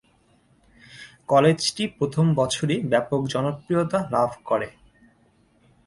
কলেজটি প্রথম বছরই ব্যাপক জনপ্রিয়তা লাভ করে।